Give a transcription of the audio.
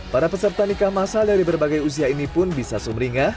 para peserta nikah masal dari berbagai usia ini pun bisa sumringah